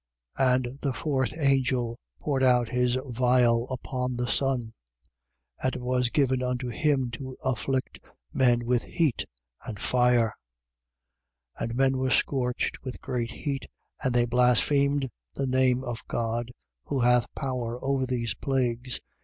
And the fourth angel poured out his vial upon the sun. And it was given unto him to afflict men with heat and fire. 16:9. And men were scorched with great heat: and they blasphemed the name of God, who hath power over these plagues.